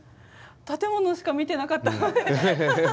建物しか見てなかった。